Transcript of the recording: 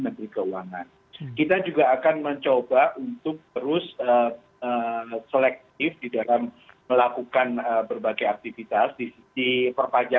kasihan indonesia newsroom akan segera kembali